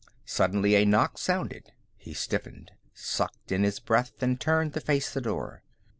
Suddenly a knock sounded. He stiffened, sucked in his breath, and turned to face the door.